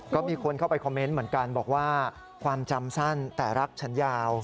ก็มีคนเข้าไปคอมเมนต์เหมือนกันบอกว่าความจำสั้นแต่รักฉันยาว